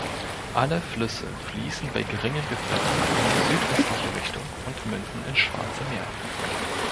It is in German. Alle Flüsse fließen bei geringem Gefälle in südöstliche Richtung und münden ins Schwarze Meer.